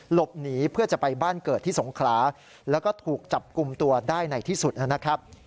หลบหนีเพื่อจะไปบ้านเกิดที่สงขลาแล้วก็ถูกจับกลุ่มตัวได้ในที่สุดนะครับ